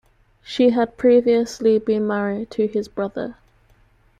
She had previously been married to his brother.